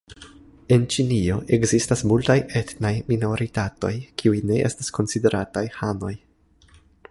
En Ĉinio ekzistas multaj etnaj minoritatoj, kiuj ne estas konsiderataj hanoj.